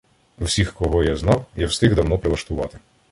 Всіх, кого я знав, я встиг давно прилаштувати.